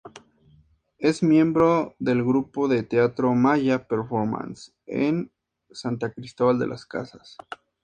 Es miembro del grupo de teatro maya "Performance" en San Cristóbal de las Casas.